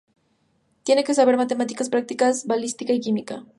Tiene que saber matemáticas prácticas, balística y química.